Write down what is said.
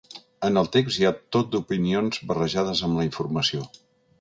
En el text hi ha tot d’opinions barrejades amb la informació.